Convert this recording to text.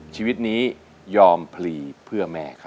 ชีวิตนี้ยอมพลีเพื่อแม่ครับ